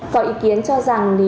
có ý kiến cho rằng